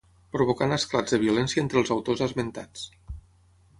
Provocant esclats de violència entre els autors esmentats.